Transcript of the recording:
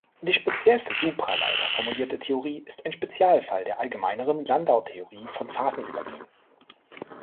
Die speziell für Supraleiter formulierte Theorie ist ein Spezialfall der allgemeineren Landau-Theorie von Phasenübergängen.